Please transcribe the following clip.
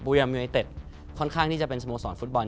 ยัมยูไนเต็ดค่อนข้างที่จะเป็นสโมสรฟุตบอล